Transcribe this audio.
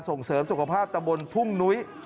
ส่งเสริมสุขภาพตะบนทุ่งนุ้ย